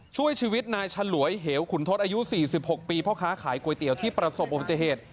ช่วยชีวิตนายฉลวยเหวขุนทศอายุ๔๖ปีพ่อค้าขายก๋วยเตี๋ยวที่ประสบอุบัติเหตุ